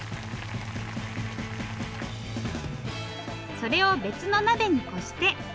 それを別の鍋にこして。